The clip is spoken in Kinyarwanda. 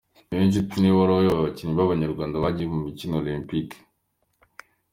Niyonshuti niwe wari uyoboye abakinnyi b’Abanyarwanda bagiye mu mikino Olympique.